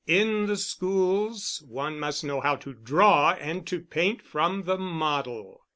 In the schools one must know how to draw and to paint from the model.